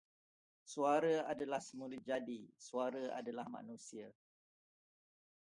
Suara adalah semulajadi, suara adalah manusia.